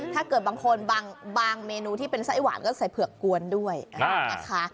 ถ้าเกิดบางคนบางเมนูที่เป็นไส้หวานก็ใส่เผือกกวนด้วยนะคะ